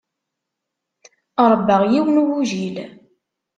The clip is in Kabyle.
Ṛebbaɣ yiwen n ugujil.